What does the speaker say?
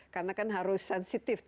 karena kan harus sensitif